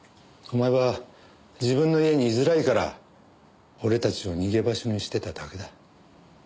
お前は自分の家に居づらいから俺たちを逃げ場所にしてただけだ。